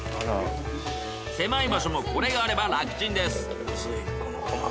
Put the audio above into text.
狭い場所もこれがあれば楽チンです。